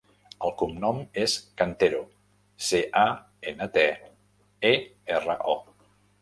El cognom és Cantero: ce, a, ena, te, e, erra, o.